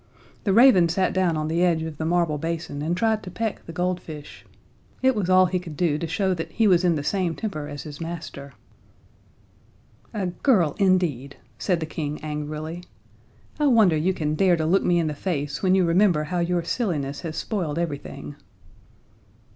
The raven sat down on the edge of the marble basin and tried to peck the goldfish. It was all he could do to show that he was in the same temper as his master. "A girl indeed!" said the King angrily. "I wonder you can dare to look me in the face, when you remember how your silliness has spoiled everything."